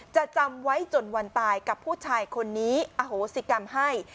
จำไว้จนวันตายกับผู้ชายคนนี้อโหสิกรรมให้